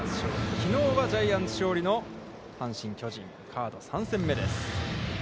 きのうはジャイアンツ勝利の阪神、巨人、カード３戦目です。